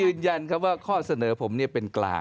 ยืนยันครับว่าข้อเสนอผมเป็นกลาง